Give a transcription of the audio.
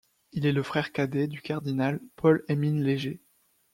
Il est le frère cadet du cardinal Paul-Émile Léger.